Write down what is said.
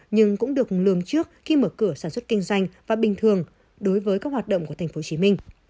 nhưng cũng được lường trước khi mở cửa sản xuất kinh doanh và bình thường đối với các hoạt động của tp hcm